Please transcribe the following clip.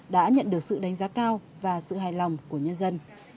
đã nhận được sự đánh giá cao và sự hài lòng của nhân dân